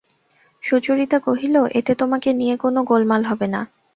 সুচরিতা কহিল, এতে তোমাকে নিয়ে কোনো গোলমাল হবে না?